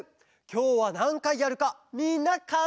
きょうはなんかいやるかみんなかぞえてみてね！